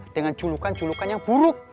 dengan julukan julukan yang buruk